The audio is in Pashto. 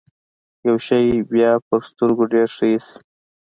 يو شی بيا په سترګو ډېر ښه اېسي.